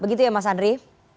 begitu ya mas andri